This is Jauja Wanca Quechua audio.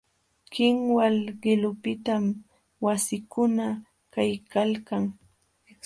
Kinwal qilupiqtam wasikuna kaykalkan.